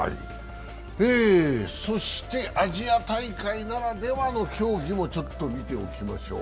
そしてアジア大会ならではの競技もちょっと見ておきましょう。